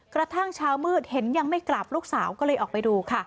กระทั่งเช้ามืดเห็นยังไม่กลับลูกสาวก็เลยออกไปดูค่ะ